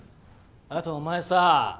あとお前さ。